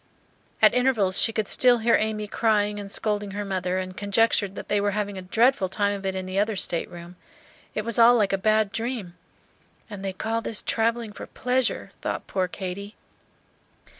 At intervals she could still hear Amy crying and scolding her mother, and conjectured that they were having a dreadful time of it in the other stateroom. It was all like a bad dream. "And they call this travelling for pleasure!" thought poor Katy.